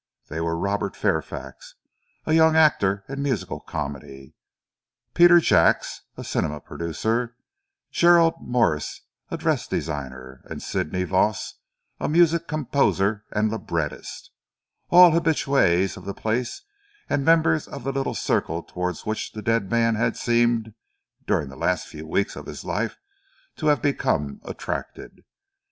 They were Robert Fairfax, a young actor in musical comedy, Peter Jacks, a cinema producer, Gerald Morse, a dress designer, and Sidney Voss, a musical composer and librettist, all habitues of the place and members of the little circle towards which the dead man had seemed, during the last few weeks of his life, to have become attracted.